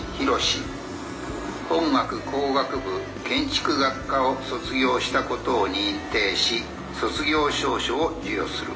本学工学部建築学科を卒業したことを認定し卒業証書を授与する。